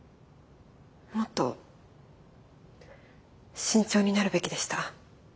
もっと慎重になるべきでした。